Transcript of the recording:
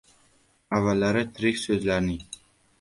Avvallari tirik so‘zlarning